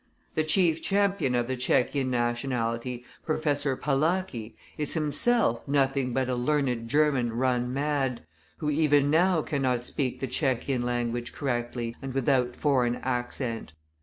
The chief champion of the Tschechian nationality, Professor Palacky, is himself nothing but a learned German run mad, who even now cannot speak the Tschechian language correctly and without foreign accent.